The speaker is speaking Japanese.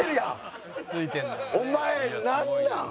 お前なんなん？